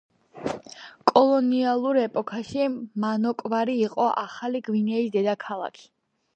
კოლონიალურ ეპოქაში მანოკვარი იყო ახალი გვინეის დედაქალაქი.